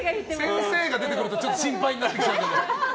先生が出てくるとちょっと心配になってくる。